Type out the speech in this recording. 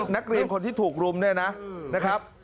นักเรียนคนที่ถูกรุมเนี่ยนะครับ